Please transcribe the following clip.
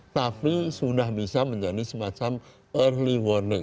tapi sudah bisa menjadi semacam early warning